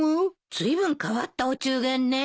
ずいぶん変わったお中元ね。